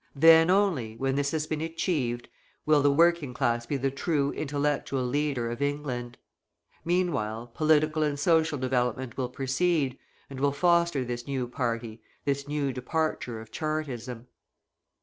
Then only, when this has been achieved, will the working class be the true intellectual leader of England. Meanwhile, political and social development will proceed, and will foster this new party, this new departure of Chartism.